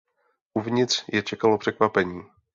Uvnitř je čekalo překvapení.